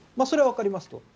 それはわかりますと。